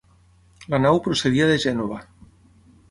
La nau procedia de Gènova.